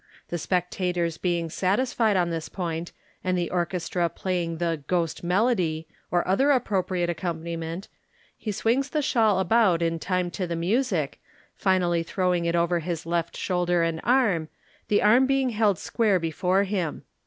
The spectators being satisfied on this point, and the orchestra playing the " Ghost Melody" or other appropriate accompaniment, he swings the shawl about in time to the music, finally throwing it over his left shoulder and arm, the arm being held square before him.